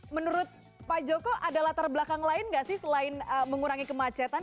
menurut pak joko ada latar belakang lain nggak sih selain mengurangi kemacetan